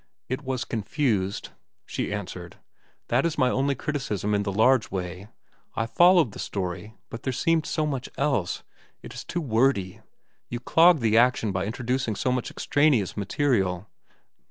"It was confused," she answered. "That is my only criticism in the large way. I followed the story, but there seemed so much else. It is too wordy. You clog the action by introducing so much extraneous material."